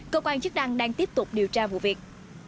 công an chức đăng đang tiếp tục điều tra vụ việc